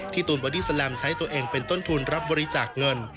ตูนบอดี้แลมใช้ตัวเองเป็นต้นทุนรับบริจาคเงิน